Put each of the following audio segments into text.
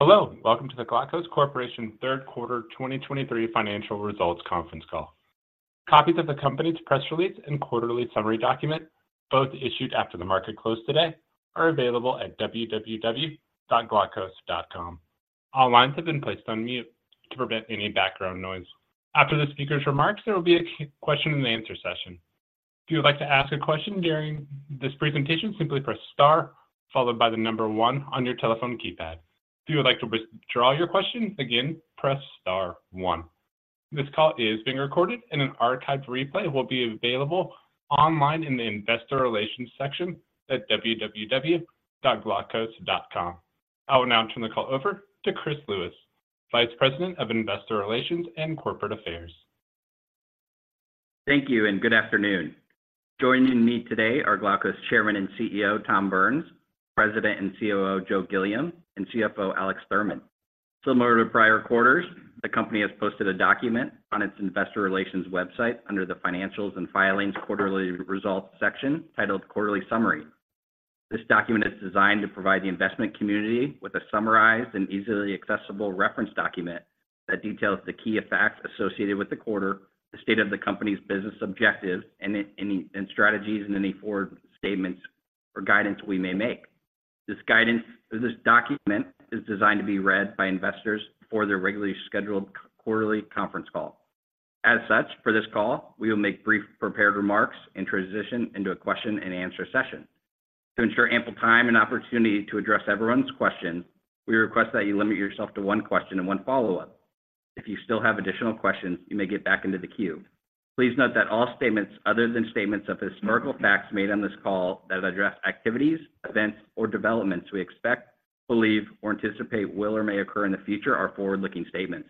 Hello, welcome to the Glaukos Corporation Q3 2023 financial results conference call. Copies of the company's press release and quarterly summary document, both issued after the market close today, are available at www.glaukos.com. All lines have been placed on mute to prevent any background noise. After the speaker's remarks, there will be a question and answer session. If you would like to ask a question during this presentation, simply press * followed by the number 1 on your telephone keypad. If you would like to withdraw your question, again, press star 1. This call is being recorded and an archived replay will be available online in the Investor Relations section at www.glaukos.com. I will now turn the call over to Chris Lewis, Vice President of Investor Relations and Corporate Affairs. Thank you, and good afternoon. Joining me today are Glaukos' Chairman and CEO, Tom Burns, President and COO, Joe Gilliam, and CFO, Alex Thurman. Similar to prior quarters, the company has posted a document on its investor relations website under the Financials and Filings Quarterly Results section titled, Quarterly Summary. This document is designed to provide the investment community with a summarized and easily accessible reference document that details the key effects associated with the quarter, the state of the company's business objectives, and any strategies and any forward statements or guidance we may make. This guidance or this document is designed to be read by investors for their regularly scheduled quarterly conference call. As such, for this call, we will make brief prepared remarks and transition into a question and answer session. To ensure ample time and opportunity to address everyone's question, we request that you limit yourself to 1 question and 1 follow-up. If you still have additional questions, you may get back into the queue. Please note that all statements other than statements of historical facts made on this call that address activities, events, or developments we expect, believe, or anticipate will or may occur in the future are forward-looking statements.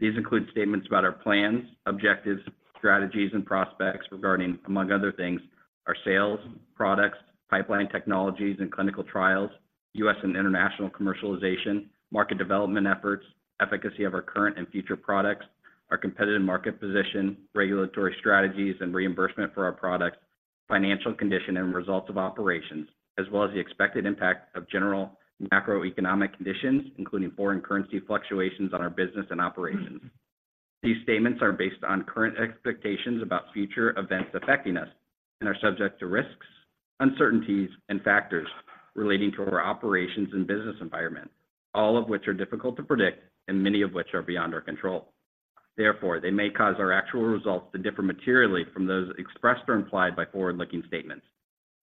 These include statements about our plans, objectives, strategies, and prospects regarding, among other things, our sales, products, pipeline technologies, and clinical trials, U.S. and international commercialization, market development efforts, efficacy of our current and future products, our competitive market position, regulatory strategies, and reimbursement for our products, financial condition and results of operations, as well as the expected impact of general macroeconomic conditions, including foreign currency fluctuations on our business and operations. These statements are based on current expectations about future events affecting us and are subject to risks, uncertainties, and factors relating to our operations and business environment, all of which are difficult to predict and many of which are beyond our control. Therefore, they may cause our actual results to differ materially from those expressed or implied by forward-looking statements.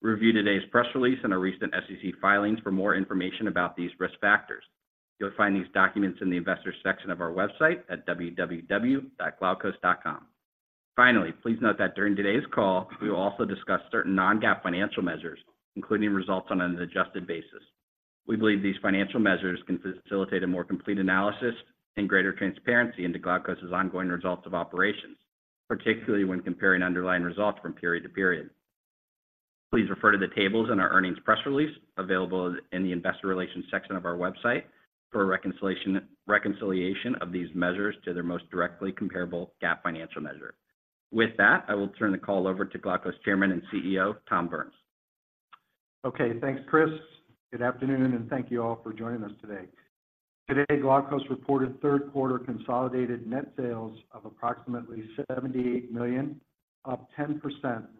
Review today's press release and our recent SEC filings for more information about these risk factors. You'll find these documents in the investors section of our website at www.glaukos.com. Finally, please note that during today's call, we will also discuss certain non-GAAP financial measures, including results on an adjusted basis. We believe these financial measures can facilitate a more complete analysis and greater transparency into Glaukos' ongoing results of operations, particularly when comparing underlying results from period to period. Please refer to the tables in our earnings press release, available in the investor relations section of our website, for a reconciliation of these measures to their most directly comparable GAAP financial measure. With that, I will turn the call over to Glaukos Chairman and CEO, Tom Burns. Okay, thanks, Chris. Good afternoon, and thank you all for joining us today. Today, Glaukos reported Q3 consolidated net sales of approximately $78 million, up 10%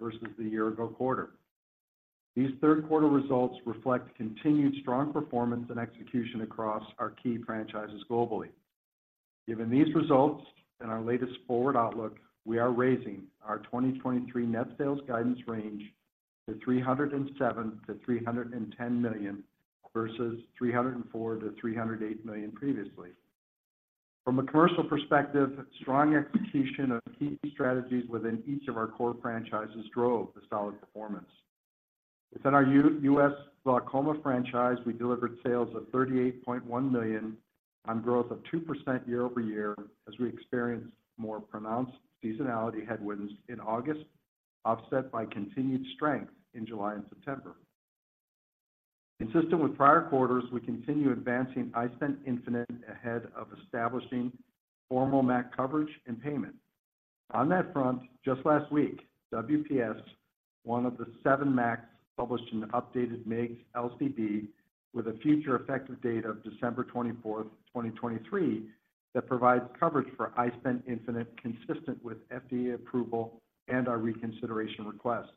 versus the year ago quarter. These Q3 results reflect continued strong performance and execution across our key franchises globally. Given these results and our latest forward outlook, we are raising our 2023 net sales guidance range to $307 million-$310 million, versus $304 million-$308 million previously. From a commercial perspective, strong execution of key strategies within each of our core franchises drove the solid performance. Within our US glaucoma franchise, we delivered sales of $38.1 million on growth of 2% year-over-year, as we experienced more pronounced seasonality headwinds in August, offset by continued strength in July and September. Consistent with prior quarters, we continue advancing iStent infinite ahead of establishing formal MAC coverage and payment. On that front, just last week, WPS, 1 of the 7 MACs, published an updated MIGS LCD with a future effective date of December 24th, 2023, that provides coverage for iStent infinite, consistent with FDA approval and our reconsideration request.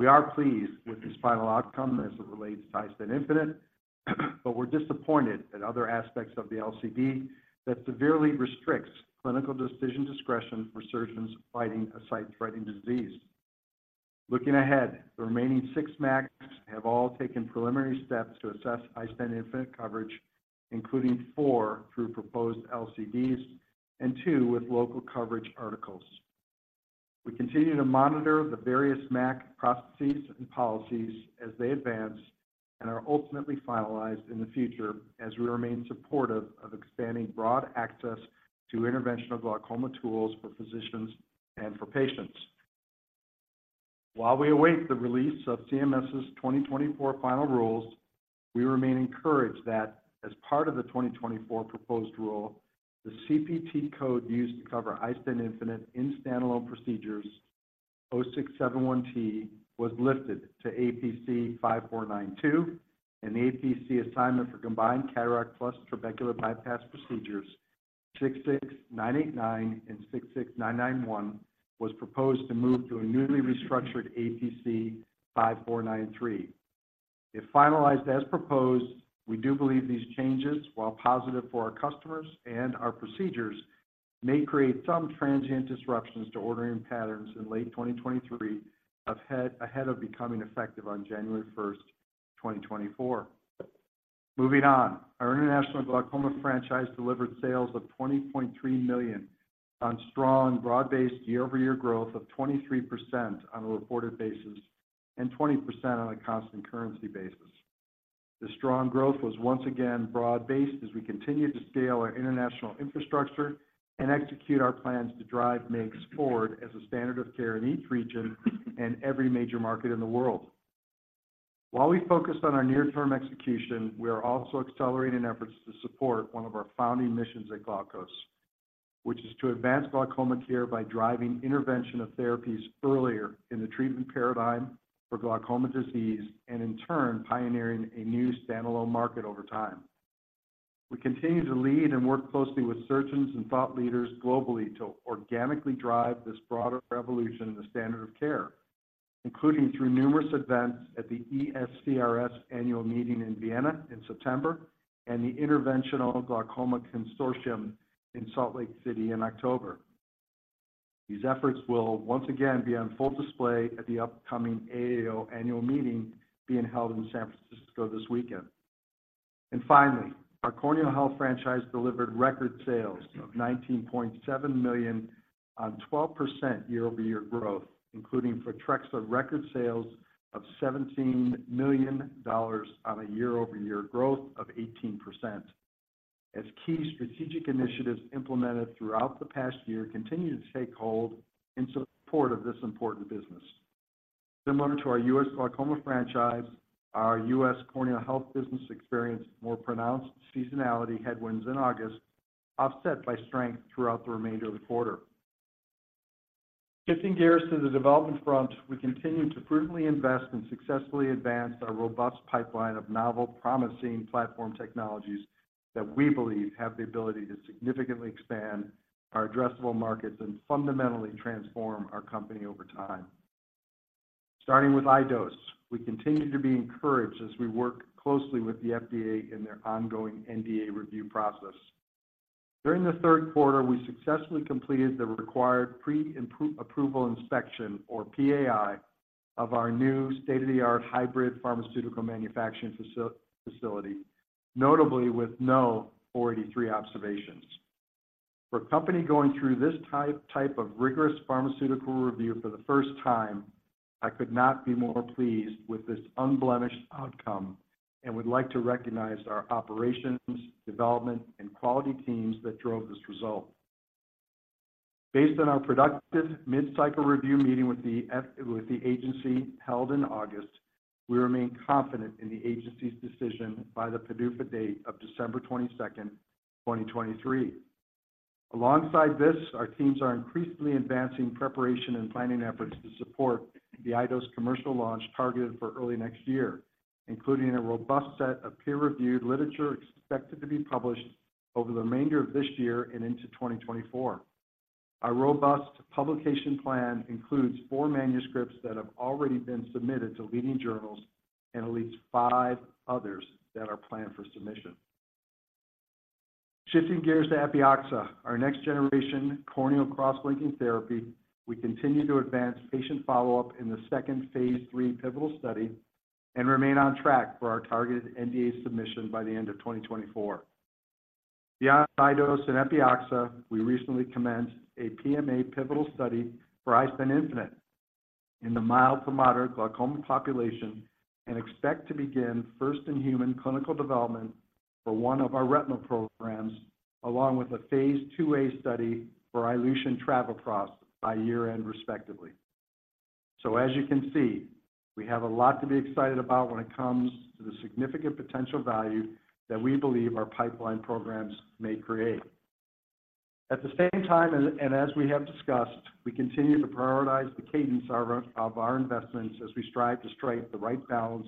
We are pleased with this final outcome as it relates to iStent infinite, but we're disappointed at other aspects of the LCD that severely restricts clinical decision discretion for surgeons fighting a sight-threatening disease. Looking ahead, the remaining 6 MACs have all taken preliminary steps to assess iStent infinite coverage, including 4 through proposed LCDs and 2 with local coverage articles. We continue to monitor the various MAC processes and policies as they advance and are ultimately finalized in the future, as we remain supportive of expanding broad access to interventional glaucoma tools for physicians and for patients. While we await the release of CMS's 2024 final rules, we remain encouraged that as part of the 2024 proposed rule, the CPT code used to cover iStent infinite in standalone procedures, O671T, was lifted to APC 5492, and the APC assignment for combined cataract plus trabecular bypass procedures, 66989 and 66991, was proposed to move to a newly restructured APC 5493. If finalized as proposed, we do believe these changes, while positive for our customers and our procedures, may create some transient disruptions to ordering patterns in late 2023 ahead of becoming effective on January 1, 2024. Moving on. Our international glaucoma franchise delivered sales of $20.3 million on strong, broad-based year-over-year growth of 23% on a reported basis and 20% on a constant currency basis. The strong growth was once again broad-based as we continued to scale our international infrastructure and execute our plans to drive MIGS forward as a standard of care in each region and every major market in the world. While we focused on our near-term execution, we are also accelerating efforts to support one of our founding missions at Glaukos, which is to advance glaucoma care by driving intervention of therapies earlier in the treatment paradigm for glaucoma disease, and in turn, pioneering a new standalone market over time. We continue to lead and work closely with surgeons and thought leaders globally to organically drive this broader revolution in the standard of care, including through numerous events at the ESCRS annual meeting in Vienna in September and the Interventional Glaucoma Consortium in Salt Lake City in October. These efforts will once again be on full display at the upcoming AAO annual meeting being held in San Francisco this weekend. And finally, our corneal health franchise delivered record sales of $19.7 million on 12% year-over-year growth, including for Photrexa, record sales of $17 million on a year-over-year growth of 18%. As key strategic initiatives implemented throughout the past year continue to take hold in support of this important business. Similar to our U.S. glaucoma franchise, our U.S. corneal health business experienced more pronounced seasonality headwinds in August, offset by strength throughout the remainder of the quarter. Shifting gears to the development front, we continue to prudently invest and successfully advance our robust pipeline of novel, promising platform technologies that we believe have the ability to significantly expand our addressable markets and fundamentally transform our company over time. Starting with iDose, we continue to be encouraged as we work closely with the FDA in their ongoing NDA review process. During the Q3, we successfully completed the required Pre-Approval Inspection, or PAI, of our new state-of-the-art hybrid pharmaceutical manufacturing facility, notably with no Form 483 observations. For a company going through this type of rigorous pharmaceutical review for the first time, I could not be more pleased with this unblemished outcome, and would like to recognize our operations, development, and quality teams that drove this result. Based on our productive mid-cycle review meeting with the agency held in August, we remain confident in the agency's decision by the PDUFA date of December 22, 2023. Alongside this, our teams are increasingly advancing preparation and planning efforts to support the iDose commercial launch, targeted for early next year, including a robust set of peer-reviewed literature expected to be published over the remainder of this year and into 2024. Our robust publication plan includes 4 manuscripts that have already been submitted to leading journals and at least 5 others that are planned for submission. Shifting gears to Epioxa, our next-generation corneal cross-linking therapy, we continue to advance patient follow-up in the 2nd phase III pivotal study and remain on track for our targeted NDA submission by the end of 2024. Beyond iDose and Epioxa, we recently commenced a PMA pivotal study for iStent infinite in the mild to moderate glaucoma population, and expect to begin first-in-human clinical development for one of our retinal programs, along with a phase IIA study for iLution Travoprost by year-end, respectively. So as you can see, we have a lot to be excited about when it comes to the significant potential value that we believe our pipeline programs may create. At the same time, and as we have discussed, we continue to prioritize the cadence of our investments as we strive to strike the right balance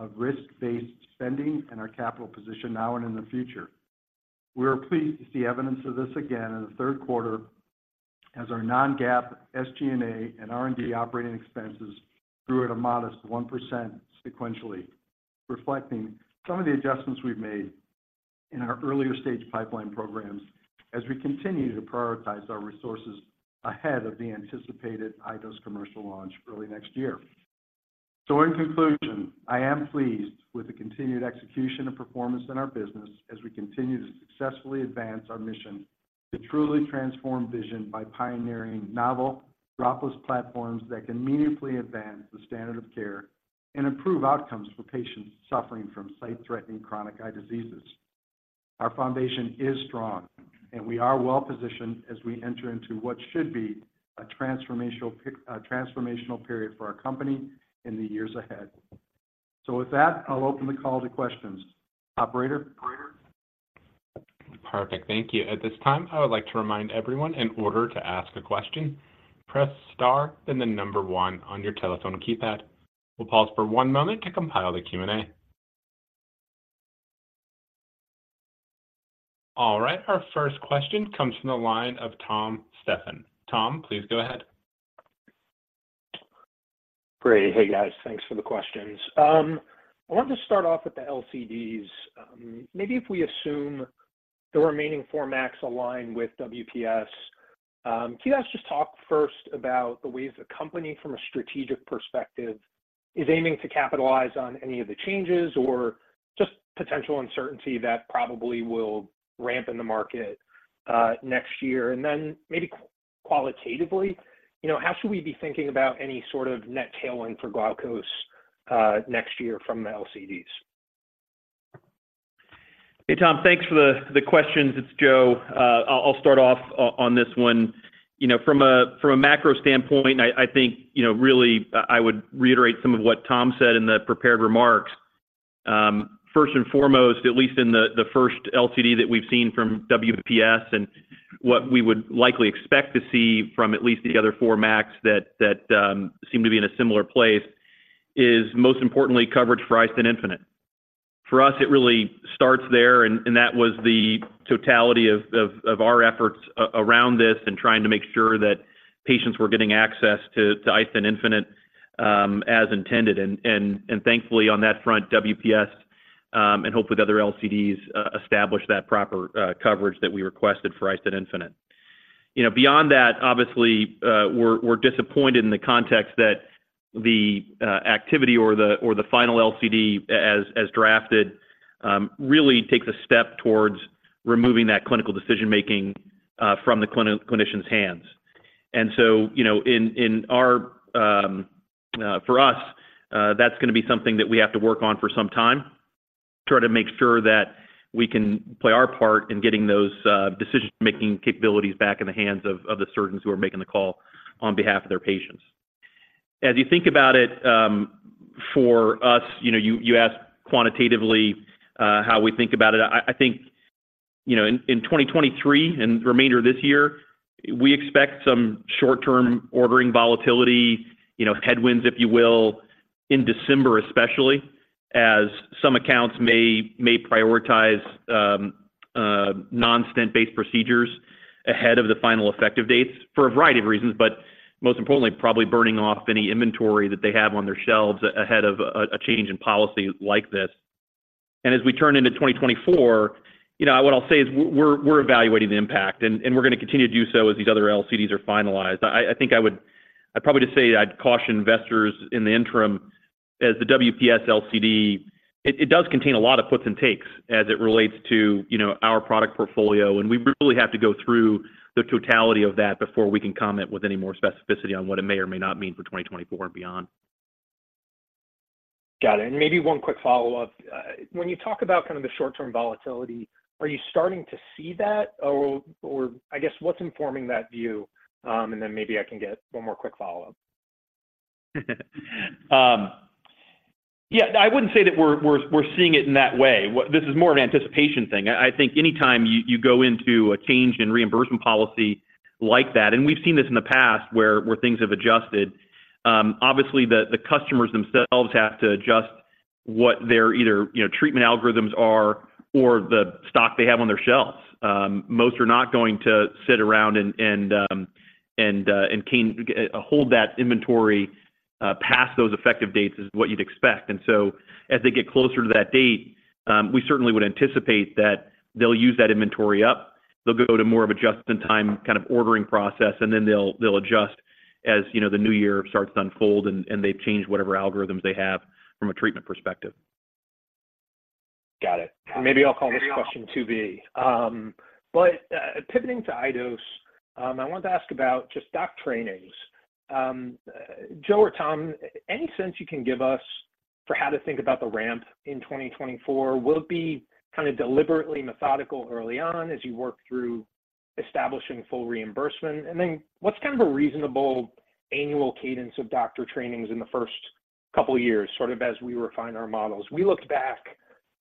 of risk-based spending and our capital position now and in the future. We are pleased to see evidence of this again in the Q3, as our non-GAAP SG&A and R&D operating expenses grew at a modest 1% sequentially, reflecting some of the adjustments we've made in our earlier-stage pipeline programs as we continue to prioritize our resources ahead of the anticipated iDose commercial launch early next year. So in conclusion, I am pleased with the continued execution and performance in our business as we continue to successfully advance our mission to truly transform vision by pioneering novel dropless platforms that can meaningfully advance the standard of care and improve outcomes for patients suffering from sight-threatening chronic eye diseases. Our foundation is strong, and we are well positioned as we enter into what should be a transformational period for our company in the years ahead. So with that, I'll open the call to questions. Operator? Perfect. Thank you. At this time, I would like to remind everyone, in order to ask a question, press *, then the number 1 on your telephone keypad. We'll pause for one moment to compile the Q&A. All right, our first question comes from the line of Tom Stephan. Tom, please go ahead. Great. Hey, guys. Thanks for the questions. I wanted to start off with the LCDs. Maybe if we assume the remaining 4 MACs align with WPS, can you guys just talk first about the ways the company, from a strategic perspective, is aiming to capitalize on any of the changes or just potential uncertainty that probably will ramp in the market next year? And then maybe qualitatively, you know, how should we be thinking about any sort of net tailwind for Glaukos next year from the LCDs? Hey, Tom. Thanks for the, the questions. It's Joe. I'll start off on this one. You know, from a macro standpoint, I think, you know, really, I would reiterate some of what Tom said in the prepared remarks. First and foremost, at least in the first LCD that we've seen from WPS and what we would likely expect to see from at least the other 4 MACs that seem to be in a similar place, is most importantly, coverage for iStent infinite. For us, it really starts there, and that was the totality of our efforts around this and trying to make sure that patients were getting access to iStent infinite, as intended. Thankfully, on that front, WPS, and hopefully other LCDs, established that proper coverage that we requested for iStent infinite. You know, beyond that, obviously, we're disappointed in the context that the activity or the final LCD as drafted really takes a step towards removing that clinical decision-making from the clinician's hands. You know, in our... For us, that's gonna be something that we have to work on for some time, try to make sure that we can play our part in getting those decision-making capabilities back in the hands of the surgeons who are making the call on behalf of their patients. As you think about it, for us, you know, you asked quantitatively how we think about it. I think, you know, in 2023 and the remainder of this year, we expect some short-term ordering volatility, you know, headwinds, if you will, in December, especially, as some accounts may prioritize non-stent-based procedures ahead of the final effective dates for a variety of reasons, but most importantly, probably burning off any inventory that they have on their shelves ahead of a change in policy like this. And as we turn into 2024, you know, what I'll say is we're evaluating the impact, and we're gonna continue to do so as these other LCDs are finalized. I think I'd probably just say I'd caution investors in the interim, as the WPS LCD, it does contain a lot of puts and takes as it relates to, you know, our product portfolio, and we really have to go through the totality of that before we can comment with any more specificity on what it may or may not mean for 2024 and beyond. Got it. And maybe 1 quick follow-up. When you talk about kind of the short-term volatility, are you starting to see that? Or, I guess, what's informing that view? And then maybe I can get 1 more quick follow-up. Yeah, I wouldn't say that we're seeing it in that way. This is more of an anticipation thing. I think anytime you go into a change in reimbursement policy like that, and we've seen this in the past, where things have adjusted, obviously, the customers themselves have to adjust what their either, you know, treatment algorithms are or the stock they have on their shelves. Most are not going to sit around and can hold that inventory past those effective dates, is what you'd expect. And so as they get closer to that date, we certainly would anticipate that they'll use that inventory up. They'll go to more of a just-in-time kind of ordering process, and then they'll adjust as, you know, the new year starts to unfold, and they change whatever algorithms they have from a treatment perspective. Got it. Maybe I'll call this question 2 B. But pivoting to iDose, I wanted to ask about just doc trainings. Joe or Tom, any sense you can give us for how to think about the ramp in 2024? Will it be kind of deliberately methodical early on as you work through establishing full reimbursement? And then, what's kind of a reasonable annual cadence of doctor trainings in the first couple of years, sort of as we refine our models? We looked back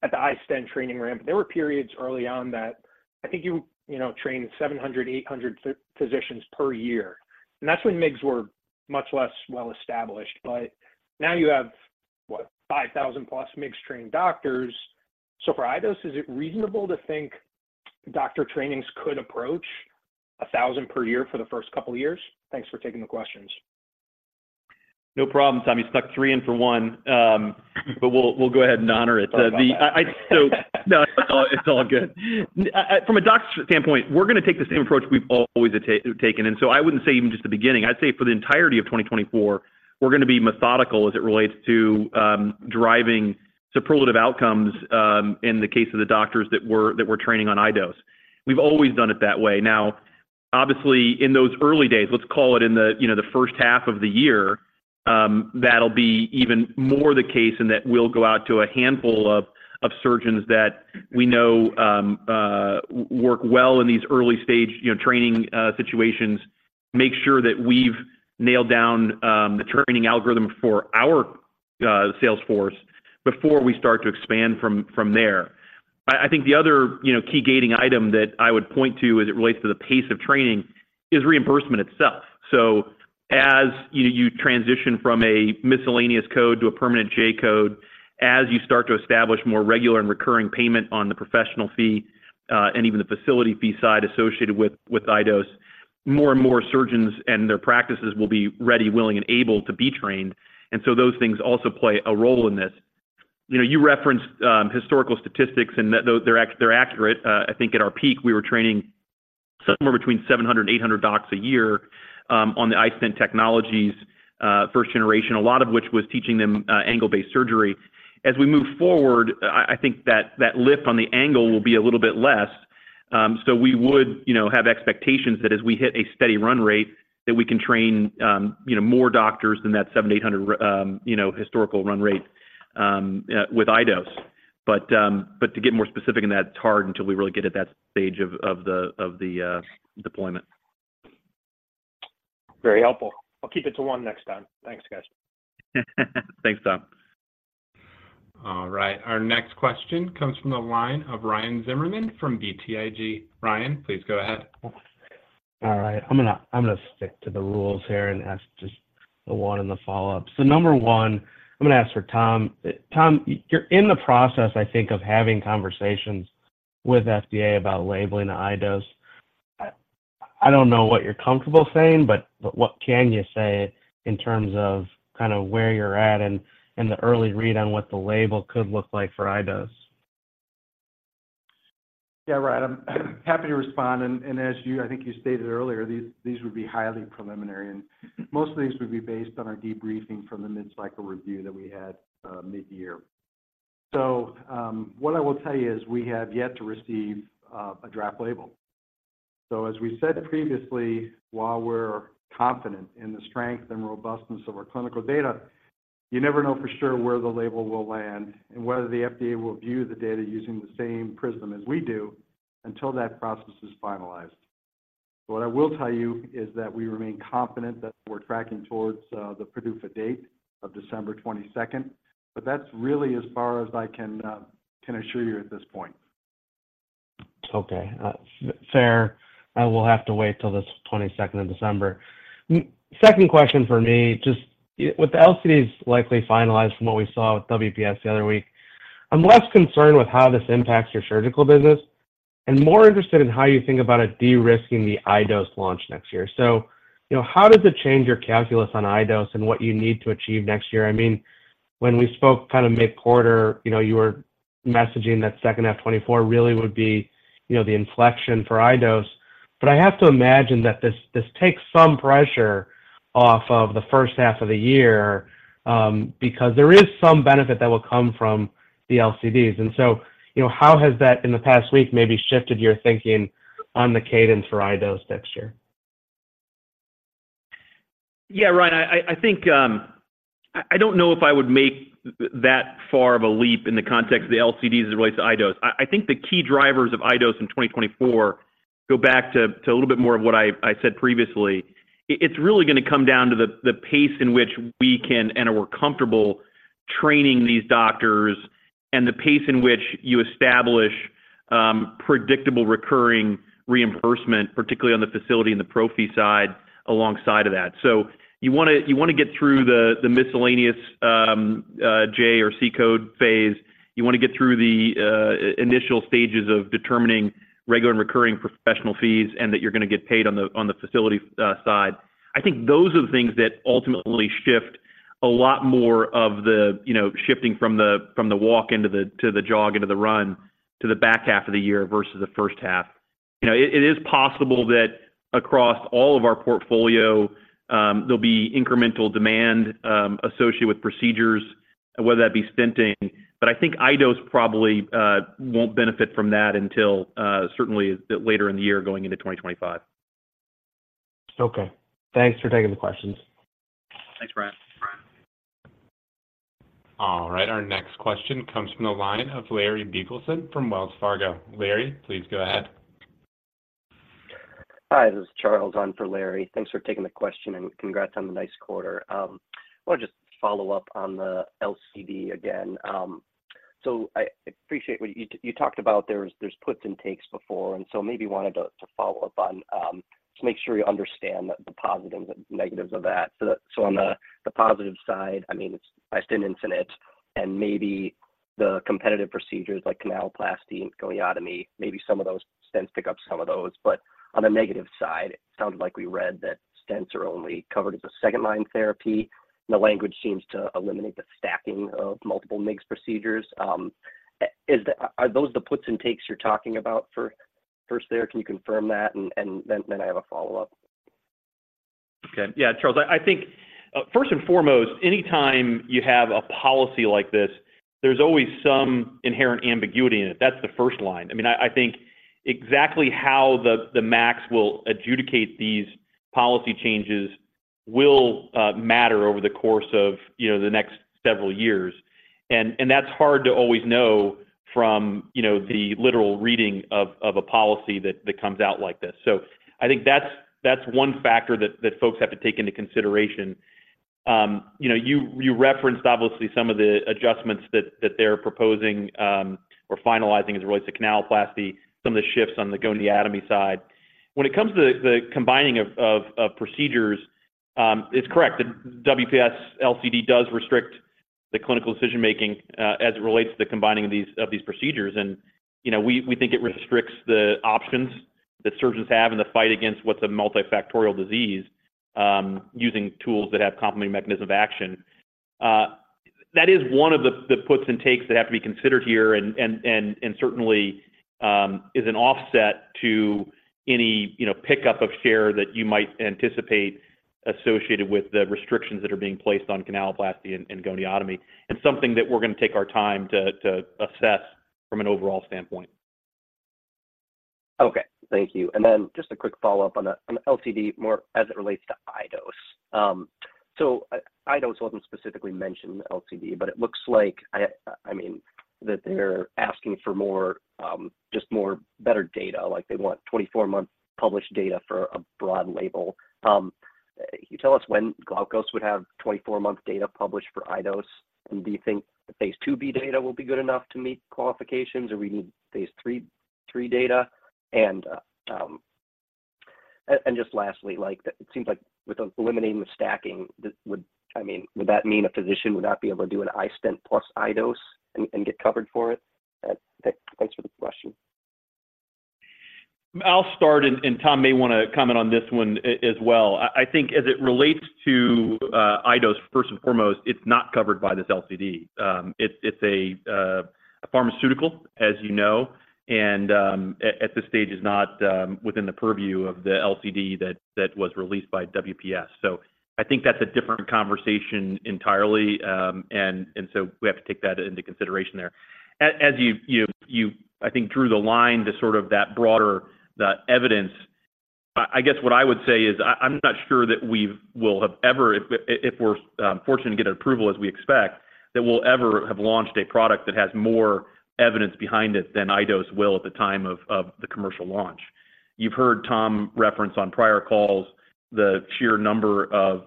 at the iStent training ramp. There were periods early on that I think you, you know, trained 700-800 physicians per year, and that's when MIGS were much less well-established. But now you have, what? 5,000 plus MIGS-trained doctors. So for iDose, is it reasonable to think doctor trainings could approach 1,000 per year for the first couple of years? Thanks for taking the questions. No problem, Tom. You stuck 3 in for 1, but we'll, we'll go ahead and honor it. Sorry about that. So no, it's all, it's all good. From a doctor's standpoint, we're gonna take the same approach we've always taken. And so I wouldn't say even just the beginning, I'd say for the entirety of 2024, we're gonna be methodical as it relates to driving superlative outcomes in the case of the doctors that we're training on iDose. We've always done it that way. Now, obviously, in those early days, let's call it in the, you know, the H1 of the year, that'll be even more the case, and that we'll go out to a handful of surgeons that we know work well in these early stage, you know, training situations. Make sure that we've nailed down the training algorithm for our sales force before we start to expand from there. I think the other, you know, key gating item that I would point to as it relates to the pace of training is reimbursement itself. So as you transition from a miscellaneous code to a permanent J code, as you start to establish more regular and recurring payment on the professional fee, and even the facility fee side associated with iDose, more and more surgeons and their practices will be ready, willing, and able to be trained, and so those things also play a role in this. You know, you referenced historical statistics, and that, though they're accurate. I think at our peak, we were training somewhere between 700 and 800 docs a year, on the iStent technologies, first generation, a lot of which was teaching them, angle-based surgery. As we move forward, I think that lift on the angle will be a little bit less. So we would, you know, have expectations that as we hit a steady run rate, that we can train, you know, more doctors than that 700 to 800 historical run rate, with iDose. But to get more specific in that, it's hard until we really get at that stage of the deployment. Very helpful. I'll keep it to 1 next time. Thanks, guys. Thanks, Tom. All right. Our next question comes from the line of Ryan Zimmerman from BTIG. Ryan, please go ahead. All right. I'm gonna stick to the rules here and ask just the 1 and the follow-up. So number 1, I'm gonna ask for Tom. Tom, you're in the process, I think, of having conversations with FDA about labeling iDose. I don't know what you're comfortable saying, but what can you say in terms of kind of where you're at and the early read on what the label could look like for iDose? Yeah, Ryan, I'm happy to respond, and as you, I think you stated earlier, these would be highly preliminary, and most of these would be based on our debriefing from the mid-cycle review that we had mid-year. So, what I will tell you is we have yet to receive a draft label. So as we said previously, while we're confident in the strength and robustness of our clinical data, you never know for sure where the label will land and whether the FDA will view the data using the same prism as we do until that process is finalized. What I will tell you is that we remain confident that we're tracking towards the PDUFA date of December 22, but that's really as far as I can assure you at this point. Okay. Fair. I will have to wait till the 22nd of December. Second question for me, just with the LCDs likely finalized from what we saw with WPS the other week, I'm less concerned with how this impacts your surgical business and more interested in how you think about it de-risking the iDose launch next year. So, you know, how does it change your calculus on iDose and what you need to achieve next year? I mean, when we spoke kind of mid-quarter, you know, you were messaging that H2 2024 really would be, you know, the inflection for iDose. But I have to imagine that this, this takes some pressure off of the H1 of the year, because there is some benefit that will come from the LCDs. And so, you know, how has that, in the past week, maybe shifted your thinking on the cadence for iDose next year? Yeah, Ryan, I think I don't know if I would make that far of a leap in the context of the LCD as it relates to iDose. I think the key drivers of iDose in 2024 go back to a little bit more of what I said previously. It's really gonna come down to the pace in which we can and are comfortable training these doctors, and the pace in which you establish predictable, recurring reimbursement, particularly on the facility and the pro fee side alongside of that. So you wanna get through the miscellaneous J or C code phase. You wanna get through the initial stages of determining regular and recurring professional fees, and that you're gonna get paid on the facility side. I think those are the things that ultimately shift a lot more of the, you know, shifting from the walk into the to the jog, into the run, to the back half of the year versus the H1. You know, it is possible that across all of our portfolio, there'll be incremental demand associated with procedures, whether that be stenting. But I think iDose probably won't benefit from that until certainly later in the year, going into 2025. Okay. Thanks for taking the questions. Thanks, Ryan. All right. Our next question comes from the line of Larry Biegelsen from Wells Fargo. Larry, please go ahead. Hi, this is Charles on for Larry. Thanks for taking the question, and congrats on the nice quarter. I want to just follow up on the LCD again. So I, I appreciate what you, you talked about there's, there's puts and takes before, and so maybe wanted to, to follow up on, to make sure we understand the, the positives and negatives of that. So on the positive side, I mean, it's iStent inject, and maybe the competitive procedures like canaloplasty and goniotomy, maybe some of those stents pick up some of those. But on the negative side, it sounded like we read that stents are only covered as a second-line therapy. The language seems to eliminate the stacking of multiple MIGS procedures. Is the... Are those the puts and takes you're talking about for iStent there? Can you confirm that? And then I have a follow-up. Okay. Yeah, Charles, I think first and foremost, anytime you have a policy like this, there's always some inherent ambiguity in it. That's the first line. I mean, I think exactly how the MACs will adjudicate these policy changes will matter over the course of, you know, the next several years.... And that's hard to always know from, you know, the literal reading of a policy that comes out like this. So I think that's 1 factor that folks have to take into consideration. You know, you referenced obviously some of the adjustments that they're proposing or finalizing as it relates to canaloplasty, some of the shifts on the goniotomy side. When it comes to the combining of procedures, it's correct, the WPS LCD does restrict the clinical decision-making as it relates to the combining of these procedures. And, you know, we think it restricts the options that surgeons have in the fight against what's a multifactorial disease, using tools that have complementary mechanism of action. That is one of the puts and takes that have to be considered here, and certainly is an offset to any, you know, pickup of share that you might anticipate associated with the restrictions that are being placed on canaloplasty and goniotomy, and something that we're going to take our time to assess from an overall standpoint. Okay. Thank you. And then just a quick follow-up on the LCD, more as it relates to iDose. So iDose wasn't specifically mentioned in the LCD, but it looks like, I mean, that they're asking for more, just more better data. Like, they want 24-month published data for a broad label. Can you tell us when Glaukos would have 24-month data published for iDose? And do you think the phase II-B data will be good enough to meet qualifications, or we need phase III data? And just lastly, like, it seems like with the eliminating the stacking, that would... I mean, would that mean a physician would not be able to do an iStent plus iDose and get covered for it? Thanks for the question. I'll start, and Tom may want to comment on this one as well. I think as it relates to iDose, first and foremost, it's not covered by this LCD. It's a pharmaceutical, as you know, and at this stage, is not within the purview of the LCD that was released by WPS. So I think that's a different conversation entirely, and so we have to take that into consideration there. As you I think drew the line to sort of that broader that evidence, I guess what I would say is I'm not sure that we will have ever, if we're fortunate to get an approval as we expect, that we'll ever have launched a product that has more evidence behind it than iDose will at the time of the commercial launch. You've heard Tom reference on prior calls the sheer number of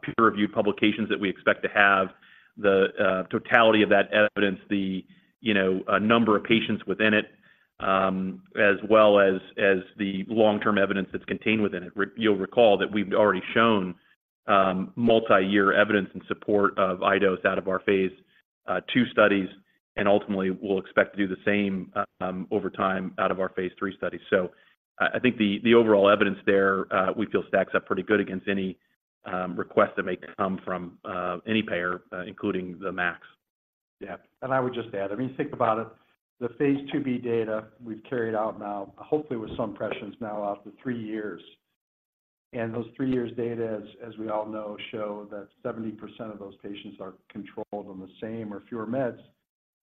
peer-reviewed publications that we expect to have, the totality of that evidence, the you know number of patients within it, as well as the long-term evidence that's contained within it. You'll recall that we've already shown multi-year evidence in support of iDose out of our phase II studies, and ultimately, we'll expect to do the same over time out of our phase III studies. So I think the overall evidence there we feel stacks up pretty good against any request that may come from any payer, including the MACs. Yeah. I would just add, I mean, think about it. The phase II-B data we've carried out now, hopefully with some patients now out to 3 years, and those 3 years data, as we all know, show that 70% of those patients are controlled on the same or fewer meds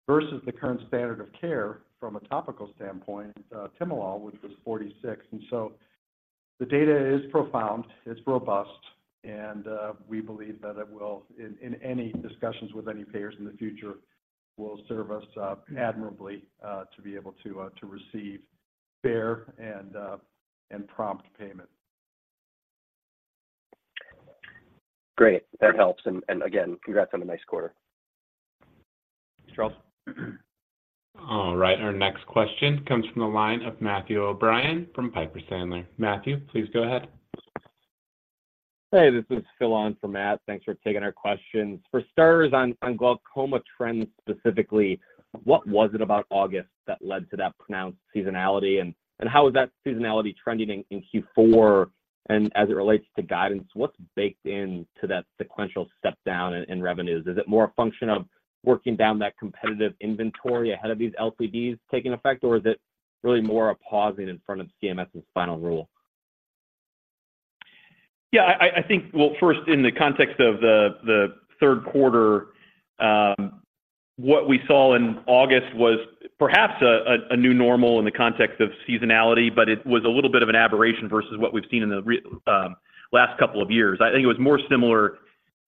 versus the current standard of care from a topical standpoint, timolol, which was 46%. And so the data is profound, it's robust, and we believe that it will, in any discussions with any payers in the future, will serve us admirably to be able to receive fair and prompt payment. Great. That helps. And, and again, congrats on a nice quarter. Charles? All right. Our next question comes from the line of Matthew O'Brien from Piper Sandler. Matthew, please go ahead. Hey, this is Phil on for Matt. Thanks for taking our questions. For starters, on glaucoma trends, specifically, what was it about August that led to that pronounced seasonality, and how is that seasonality trending in Q4? And as it relates to guidance, what's baked into that sequential step down in revenues? Is it more a function of working down that competitive inventory ahead of these LCDs taking effect, or is it really more a pausing in front of CMS' final rule? Yeah, I think... Well, first, in the context of the Q3, what we saw in August was perhaps a new normal in the context of seasonality, but it was a little bit of an aberration versus what we've seen in the last couple of years. I think it was more similar,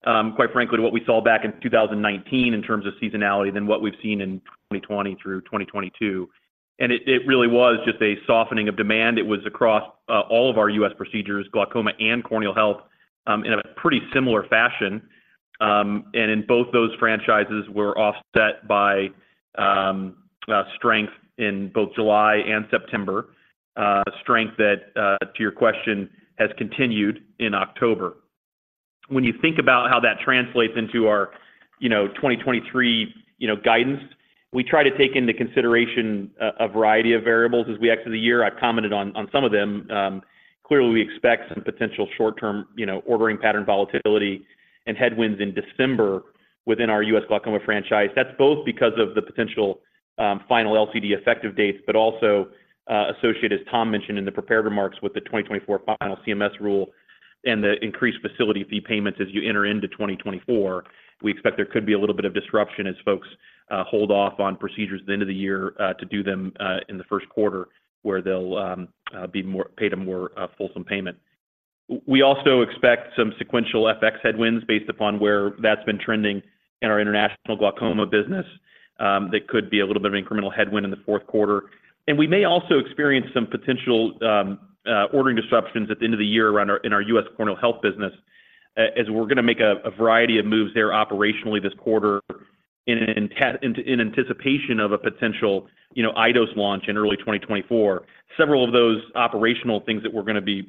quite frankly, to what we saw back in 2019 in terms of seasonality than what we've seen in 2020 through 2022. And it really was just a softening of demand. It was across all of our US procedures, glaucoma and corneal health in a pretty similar fashion. And in both those franchises were offset by strength in both July and September, strength that to your question, has continued in October. When you think about how that translates into our, you know, 2023, you know, guidance, we try to take into consideration a variety of variables as we exit the year. I've commented on some of them. Clearly, we expect some potential short-term, you know, ordering pattern volatility and headwinds in December within our U.S. glaucoma franchise. That's both because of the potential final LCD effective dates, but also associated, as Tom mentioned in the prepared remarks, with the 2024 final CMS rule and the increased facility fee payments as you enter into 2024. We expect there could be a little bit of disruption as folks hold off on procedures at the end of the year to do them in the Q1, where they'll be paid a more fulsome payment. We also expect some sequential FX headwinds based upon where that's been trending in our international glaucoma business. That could be a little bit of incremental headwind in the Q4. We may also experience some potential ordering disruptions at the end of the year around our U.S. corneal health business, as we're going to make a variety of moves there operationally this quarter in anticipation of a potential, you know, iDose launch in early 2024. Several of those operational things that we're going to be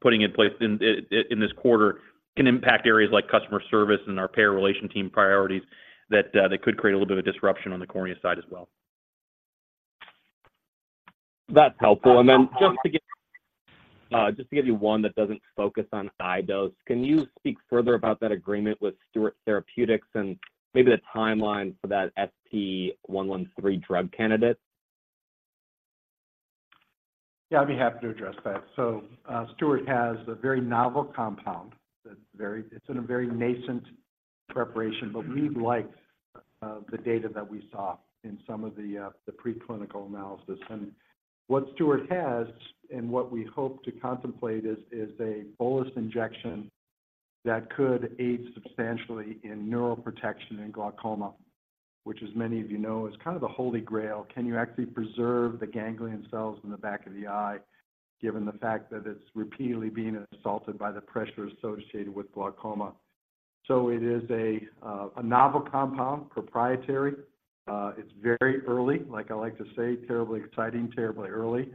putting in place in this quarter can impact areas like customer service and our payer relation team priorities, they could create a little bit of disruption on the cornea side as well. That's helpful. And then just to give you one that doesn't focus on iDose, can you speak further about that agreement with Stuart Therapeutics and maybe the timeline for that ST-113 drug candidate? Yeah, I'd be happy to address that. So, Stuart Therapeutics has a very novel compound that's very—it's in a very nascent preparation, but we liked the data that we saw in some of the preclinical analysis. And what Stuart Therapeutics has, and what we hope to contemplate, is a bolus injection that could aid substantially in neural protection in glaucoma, which, as many of you know, is kind of the holy grail. Can you actually preserve the ganglion cells in the back of the eye, given the fact that it's repeatedly being assaulted by the pressure associated with glaucoma? So it is a novel compound, proprietary. It's very early. Like I like to say, terribly exciting, terribly early.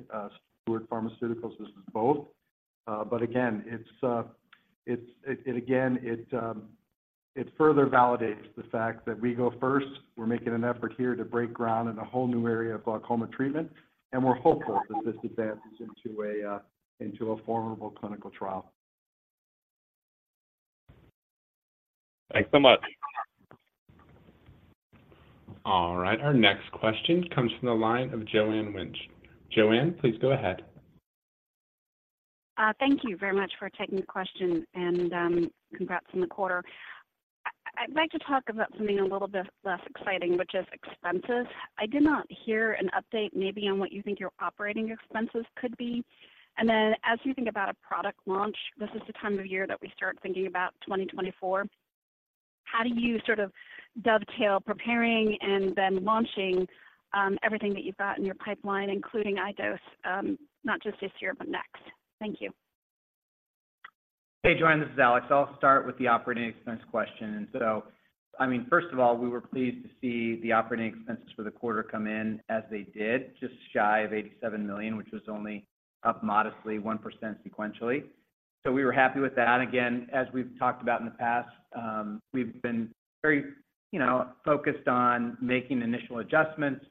Stuart Therapeutics, this is both. But again, it further validates the fact that we go first. We're making an effort here to break ground in a whole new area of glaucoma treatment, and we're hopeful that this advances into a formal clinical trial. Thanks so much. All right, our next question comes from the line of Joanne Wuensch. Joanne, please go ahead. Thank you very much for taking the question, and congrats on the quarter. I'd like to talk about something a little bit less exciting, which is expenses. I did not hear an update, maybe on what you think your operating expenses could be. And then as you think about a product launch, this is the time of year that we start thinking about 2024. How do you sort of dovetail preparing and then launching everything that you've got in your pipeline, including iDose, not just this year, but next? Thank you. Hey, Joanne, this is Alex. I'll start with the operating expense question. So, I mean, first of all, we were pleased to see the operating expenses for the quarter come in as they did, just shy of $87 million, which was only up modestly, 1% sequentially. So we were happy with that. Again, as we've talked about in the past, we've been very, you know, focused on making initial adjustments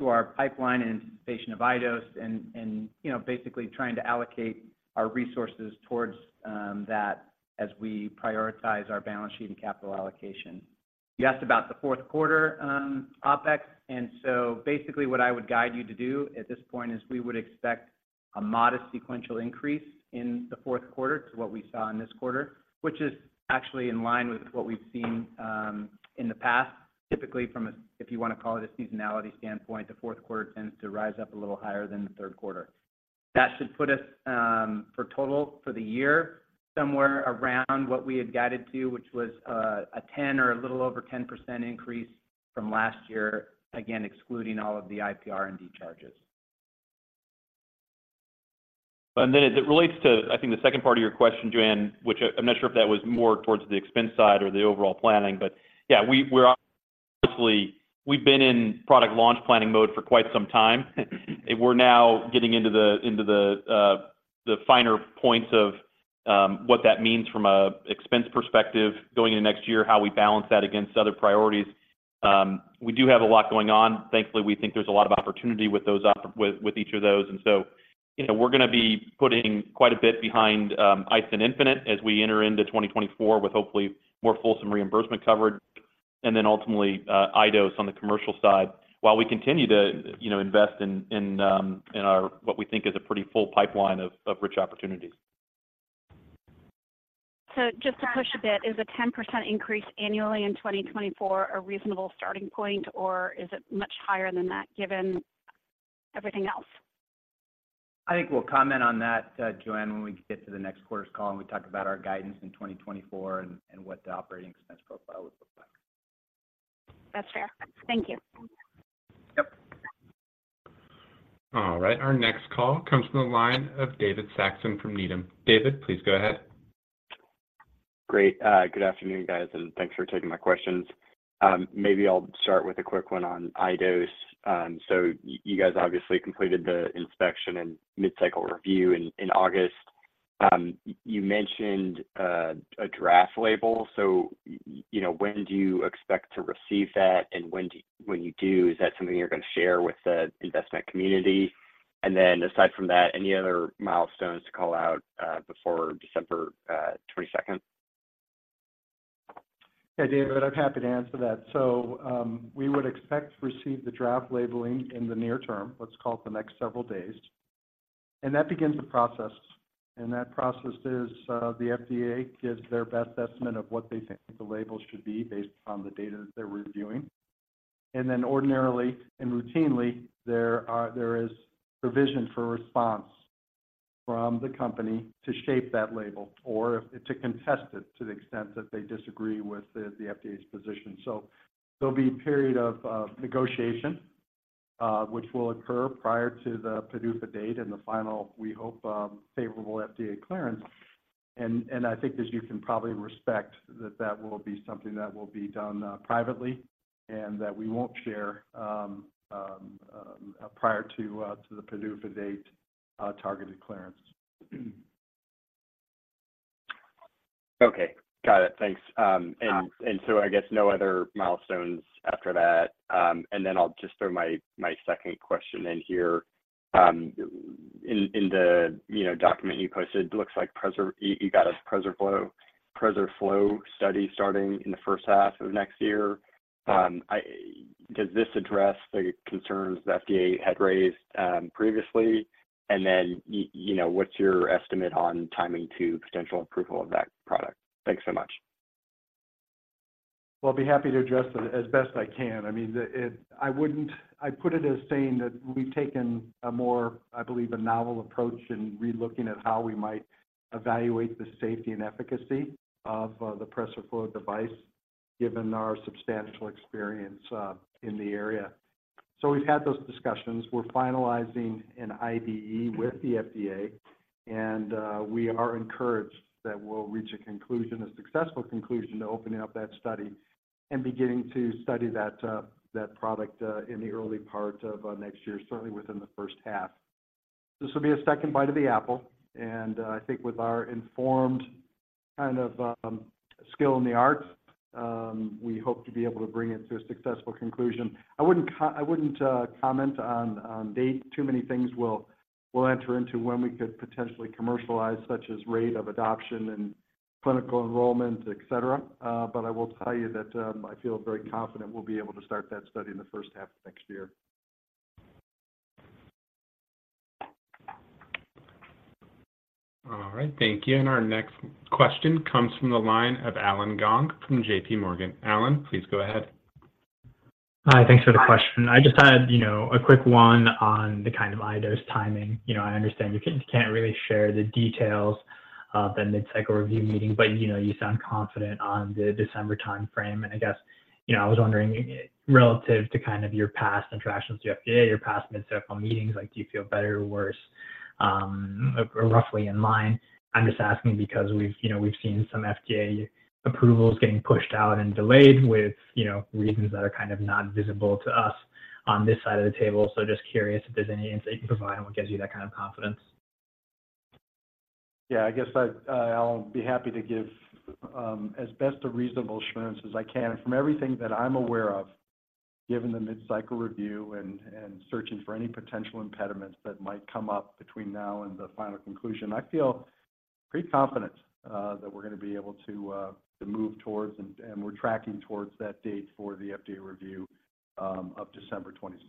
to our pipeline in anticipation of iDose and, you know, basically trying to allocate our resources towards that as we prioritize our balance sheet and capital allocation. You asked about the Q4, OpEx, and so basically what I would guide you to do at this point is we would expect a modest sequential increase in the Q4 to what we saw in this quarter, which is actually in line with what we've seen, in the past. Typically, from a, if you want to call it a seasonality standpoint, the Q4 tends to rise up a little higher than the Q3. That should put us, for total for the year, somewhere around what we had guided to, which was, a 10% or a little over 10% increase from last year, again, excluding all of the IPR&D charges. And then as it relates to, I think, the second part of your question, Joanne, which I'm not sure if that was more towards the expense side or the overall planning, but yeah, we're obviously, we've been in product launch planning mode for quite some time. We're now getting into the finer points of what that means from a expense perspective going into next year, how we balance that against other priorities. We do have a lot going on. Thankfully, we think there's a lot of opportunity with each of those. And so, you know, we're going to be putting quite a bit behind iStent infinite as we enter into 2024, with hopefully more fulsome reimbursement coverage, and then ultimately iDose on the commercial side, while we continue to, you know, invest in our—what we think is a pretty full pipeline of rich opportunities. Just to push a bit, is a 10% increase annually in 2024 a reasonable starting point, or is it much higher than that, given everything else? I think we'll comment on that, Joanne, when we get to the next quarter's call, and we talk about our guidance in 2024 and what the operating expense profile would look like. That's fair. Thank you. Yep. All right, our next call comes from the line of David Saxon from Needham. David, please go ahead. Great. Good afternoon, guys, and thanks for taking my questions. Maybe I'll start with a quick one on iDose. So you guys obviously completed the inspection and mid-cycle review in August. You mentioned a draft label, so, you know, when do you expect to receive that? And when you do, is that something you're going to share with the investment community? And then, aside from that, any other milestones to call out before December 22nd? Hey, David, I'm happy to answer that. So, we would expect to receive the draft labeling in the near term, let's call it the next several days. And that begins the process, and that process is, the FDA gives their best estimate of what they think the label should be based on the data that they're reviewing.... and then ordinarily and routinely, there is provision for response from the company to shape that label or if to contest it to the extent that they disagree with the, the FDA's position. So there'll be a period of, negotiation, which will occur prior to the PDUFA date and the final, we hope, favorable FDA clearance. I think as you can probably expect, that that will be something that will be done privately and that we won't share prior to the PDUFA date targeted clearance. Okay. Got it. Thanks. And so I guess no other milestones after that. And then I'll just throw my second question in here. In the, you know, document you posted, it looks like you got a PreserFlo, PreserFlo study starting in the H1 of next year. Yeah. Does this address the concerns the FDA had raised, previously? And then you know, what's your estimate on timing to potential approval of that product? Thanks so much. Well, I'd be happy to address it as best I can. I mean, I put it as saying that we've taken a more, I believe, a novel approach in relooking at how we might evaluate the safety and efficacy of the PreserFlo device, given our substantial experience in the area. So we've had those discussions. We're finalizing an IDE with the FDA, and we are encouraged that we'll reach a conclusion, a successful conclusion, to opening up that study and beginning to study that product in the early part of next year, certainly within the H1. This will be a second bite of the apple, and I think with our informed kind of skill in the arts, we hope to be able to bring it to a successful conclusion. I wouldn't comment on date. Too many things will enter into when we could potentially commercialize, such as rate of adoption and clinical enrollment, et cetera. But I will tell you that I feel very confident we'll be able to start that study in the H1 of next year. All right, thank you. Our next question comes from the line of Allen Gong from J.P. Morgan. Allen, please go ahead. Hi, thanks for the question. I just had, you know, a quick one on the kind of iDose timing. You know, I understand you can, you can't really share the details of the mid-cycle review meeting, but, you know, you sound confident on the December time frame. And I guess, you know, I was wondering, relative to kind of your past interactions with the FDA, your past mid-cycle meetings, like, do you feel better or worse, or roughly in line? I'm just asking because we've, you know, we've seen some FDA approvals getting pushed out and delayed with, you know, reasons that are kind of not visible to us on this side of the table. So just curious if there's any insight you can provide on what gives you that kind of confidence. Yeah, I guess I'll be happy to give as best a reasonable assurance as I can. From everything that I'm aware of, given the mid-cycle review and searching for any potential impediments that might come up between now and the final conclusion, I feel pretty confident that we're gonna be able to move towards and we're tracking towards that date for the FDA review of December 22.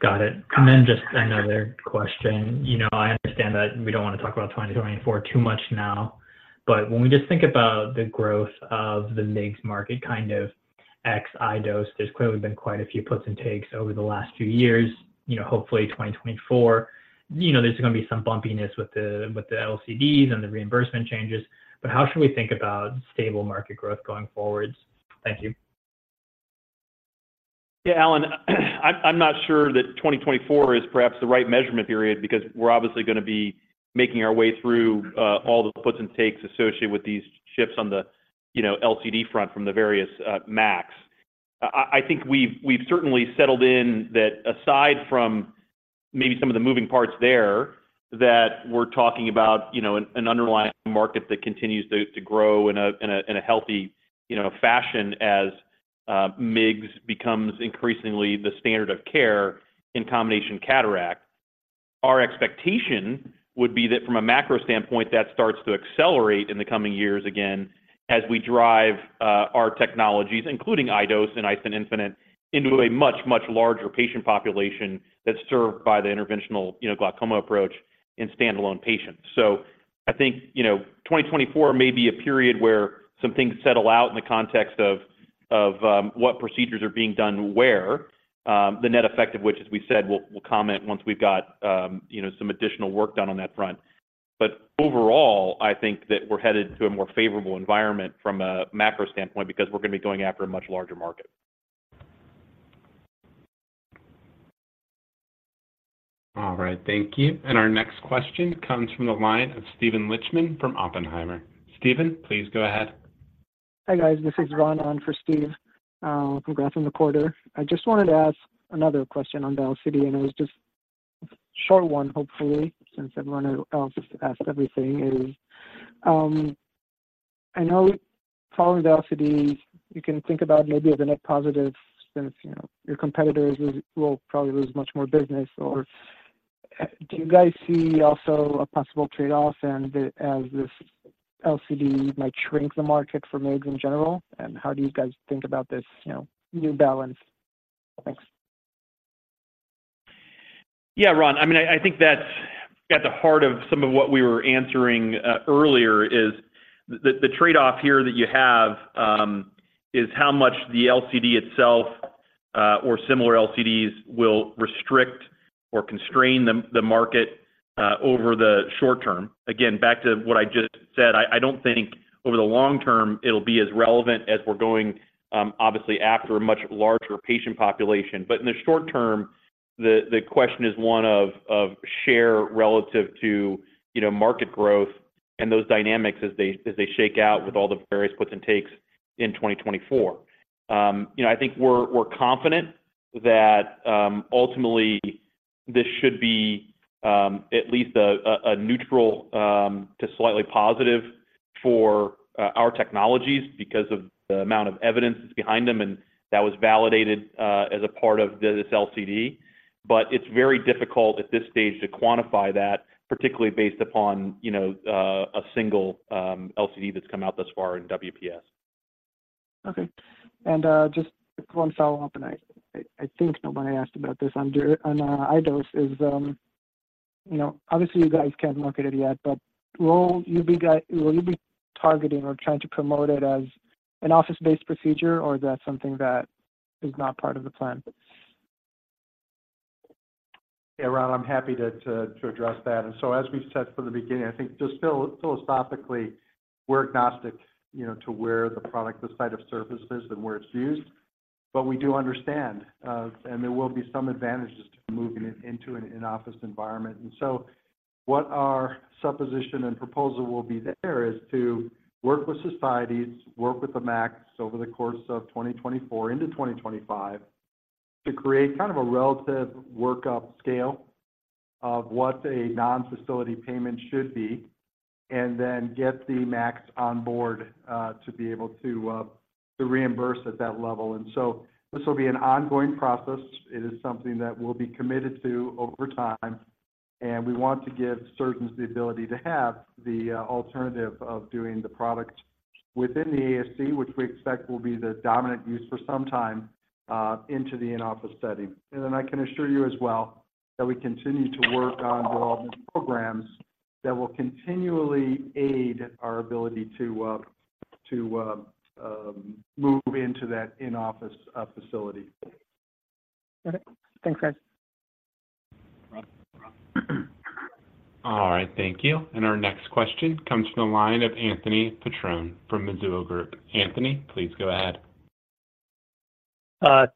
Got it. Got it. And then just another question. You know, I understand that we don't want to talk about 2024 too much now, but when we just think about the growth of the MIGS market, kind of ex iDose, there's clearly been quite a few puts and takes over the last few years. You know, hopefully, 2024, you know, there's gonna be some bumpiness with the LCDs and the reimbursement changes. But how should we think about stable market growth going forward? Thank you. Yeah, Alan, I'm not sure that 2024 is perhaps the right measurement period, because we're obviously gonna be making our way through all the puts and takes associated with these shifts on the, you know, LCD front from the various MACs. I think we've certainly settled in that aside from maybe some of the moving parts there that we're talking about, you know, an underlying market that continues to grow in a healthy fashion as MIGS becomes increasingly the standard of care in combination cataract. Our expectation would be that from a macro standpoint, that starts to accelerate in the coming years again, as we drive our technologies, including iDose and iStent and iStent infinite, into a much larger patient population that's served by the interventional glaucoma approach in standalone patients. So I think, you know, 2024 may be a period where some things settle out in the context of, of, what procedures are being done where, the net effect of which, as we said, we'll, we'll comment once we've got, you know, some additional work done on that front. But overall, I think that we're headed to a more favorable environment from a macro standpoint, because we're gonna be going after a much larger market. All right, thank you. Our next question comes from the line of Steven Lichtman from Oppenheimer. Steven, please go ahead. Hi, guys. This is Ron on for Steve from Grafen Recorder. I just wanted to ask another question on the LCD, and it was just a short one, hopefully, since everyone else has asked everything. Is, I know following the LCD, you can think about maybe as a net positive, since, you know, your competitors will probably lose much more business. Or do you guys see also a possible trade-off and as this LCD might shrink the market for MIGS in general? And how do you guys think about this, you know, new balance? Thanks. ...Yeah, Ron, I mean, I think that's at the heart of some of what we were answering earlier, is the trade-off here that you have is how much the LCD itself or similar LCDs will restrict or constrain the market over the short term. Again, back to what I just said, I don't think over the long term it'll be as relevant as we're going, obviously, after a much larger patient population. But in the short term, the question is one of share relative to, you know, market growth and those dynamics as they shake out with all the various puts and takes in 2024. You know, I think we're confident that ultimately this should be at least a neutral to slightly positive for our technologies because of the amount of evidence that's behind them, and that was validated as a part of this LCD. But it's very difficult at this stage to quantify that, particularly based upon, you know, a single LCD that's come out thus far in WPS. Okay. And just 1 follow-up, and I think nobody asked about this on iDose. You know, obviously, you guys can't market it yet, but will you be targeting or trying to promote it as an office-based procedure, or is that something that is not part of the plan? Yeah, Ron, I'm happy to address that. And so, as we've said from the beginning, I think just philosophically, we're agnostic, you know, to where the product, the site of service is and where it's used. But we do understand, and there will be some advantages to moving it into an in-office environment. And so what our supposition and proposal will be there is to work with societies, work with the MACs over the course of 2024 into 2025, to create kind of a relative workup scale of what a non-facility payment should be, and then get the MACs on board, to be able to reimburse at that level. And so this will be an ongoing process. It is something that we'll be committed to over time, and we want to give surgeons the ability to have the alternative of doing the product within the ASC, which we expect will be the dominant use for some time into the in-office setting. And then I can assure you as well, that we continue to work on development programs that will continually aid our ability to move into that in-office facility. Okay. Thanks, guys. All right, thank you. Our next question comes from the line of Anthony Petrone from Mizuho Group. Anthony, please go ahead.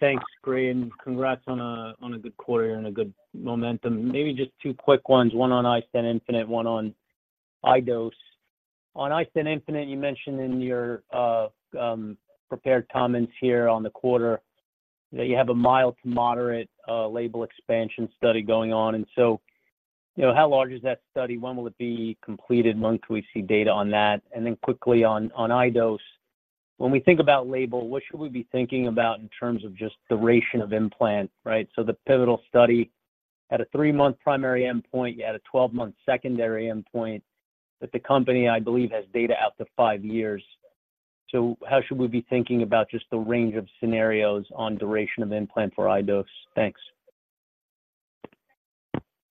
Thanks, great, and congrats on a good quarter and a good momentum. Maybe just 2 quick ones, 1 on iStent infinite, 1 on iDose. On iStent infinite, you mentioned in your prepared comments here on the quarter that you have a mild to moderate label expansion study going on, and so, you know, how large is that study? When will it be completed? When can we see data on that? And then quickly on iDose, when we think about label, what should we be thinking about in terms of just the duration of implant, right? So the pivotal study had a 3-month primary endpoint. You had a 12-month secondary endpoint, but the company, I believe, has data out to 5 years. So how should we be thinking about just the range of scenarios on duration of implant for iDose? Thanks.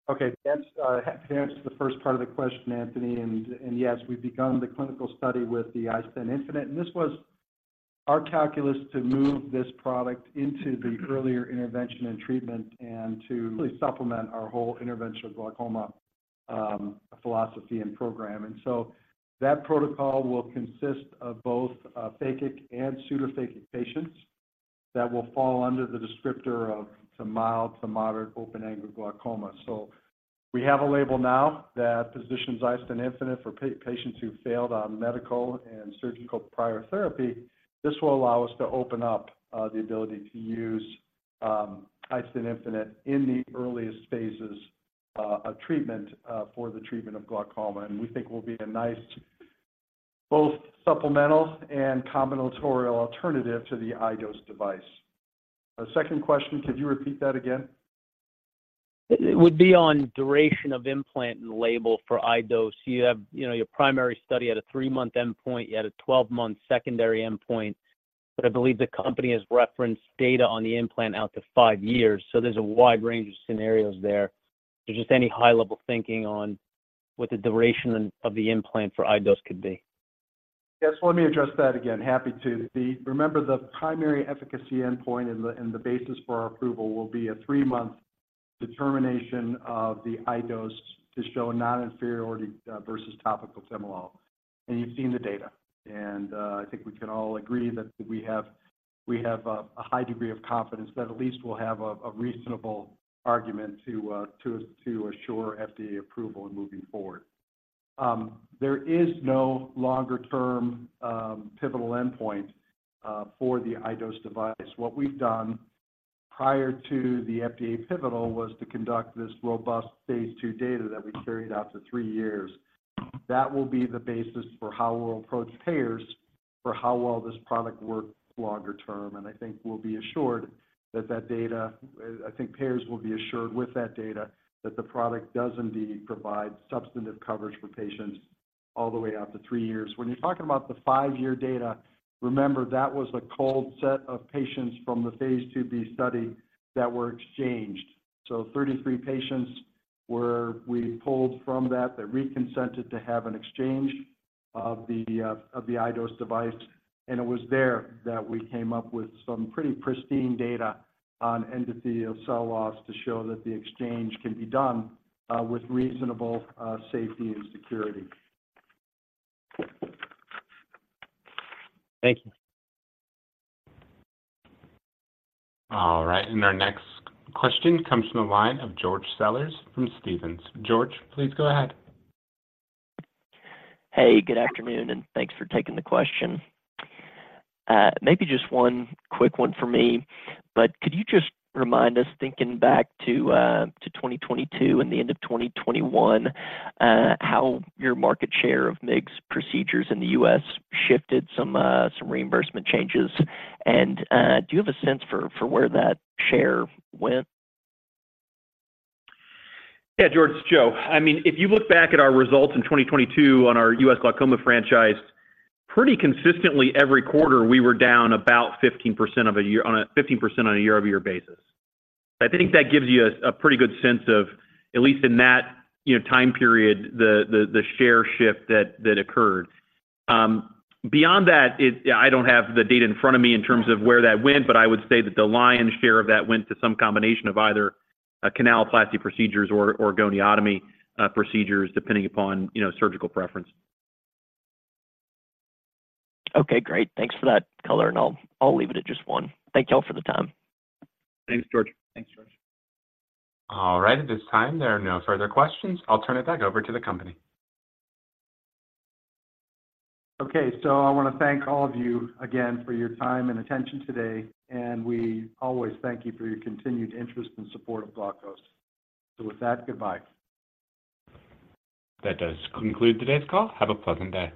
Okay, that's to answer the first part of the question, Anthony, and, and yes, we've begun the clinical study with the iStent infinite, and this was our calculus to move this product into the earlier intervention and treatment and to really supplement our whole interventional glaucoma philosophy and program. And so that protocol will consist of both phakic and pseudophakic patients that will fall under the descriptor of mild to moderate open-angle glaucoma. So we have a label now that positions iStent infinite for patients who've failed on medical and surgical prior therapy. This will allow us to open up the ability to use iStent infinite in the earliest phases of treatment for the treatment of glaucoma, and we think will be a nice, both supplemental and combinatorial alternative to the iDose device. The second question, could you repeat that again? It would be on duration of implant and label for iDose. You have, you know, your primary study at a 3-month endpoint, you had a 12-month secondary endpoint, but I believe the company has referenced data on the implant out to 5 years, so there's a wide range of scenarios there. So just any high-level thinking on what the duration of the implant for iDose could be. Yes, let me address that again. Happy to. The. Remember, the primary efficacy endpoint and the, and the basis for our approval will be a 3-month determination of the iDose to show non-inferiority versus topical timolol. And you've seen the data, and I think we can all agree that we have a high degree of confidence that at least we'll have a reasonable argument to assure FDA approval in moving forward. There is no longer-term pivotal endpoint for the iDose device. What we've done prior to the FDA pivotal was to conduct this robust phase II data that we carried out to 3 years. That will be the basis for how we'll approach payers for how well this product works longer term, and I think we'll be assured that that data... I think payers will be assured with that data, that the product does indeed provide substantive coverage for patients all the way out to 3 years. When you're talking about the 5-year data, remember, that was a cold set of patients from the phase II-B study that were exchanged. So 33 patients were we pulled from that, that reconsented to have an exchange of the, of the iDose device, and it was there that we came up with some pretty pristine data on endothelial cell loss to show that the exchange can be done with reasonable safety and security. Thank you. All right, and our next question comes from the line of George Sellers from Stephens. George, please go ahead. Hey, good afternoon, and thanks for taking the question. Maybe just 1 quick one for me, but could you just remind us, thinking back to 2022 and the end of 2021, how your market share of MIGS procedures in the U.S. shifted some reimbursement changes? And, do you have a sense for where that share went? Yeah, George, it's Joe. I mean, if you look back at our results in 2022 on our US glaucoma franchise, pretty consistently every quarter, we were down about 15% on a year-over-year basis. I think that gives you a pretty good sense of, at least in that, you know, time period, the share shift that occurred. Beyond that, it. Yeah, I don't have the data in front of me in terms of where that went, but I would say that the lion's share of that went to some combination of either canaloplasty procedures or goniotomy procedures, depending upon, you know, surgical preference. Okay, great. Thanks for that color, and I'll, I'll leave it at just one. Thank you all for the time. Thanks, George. Thanks, George. All right. At this time, there are no further questions. I'll turn it back over to the company. Okay, so I want to thank all of you again for your time and attention today, and we always thank you for your continued interest and support of Glaukos. With that, goodbye. That does conclude today's call. Have a pleasant day.